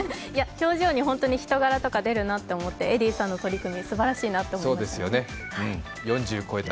表情に本当に人柄とか出るなと思ってエディさんの取り組みすばらしいなと思いました。